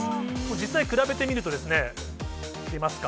実際、比べてみると、出ますか？